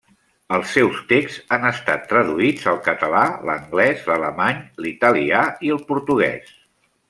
Els seus texts han estat traduïts al català, l'anglès, l'alemany, l'italià i el portuguès.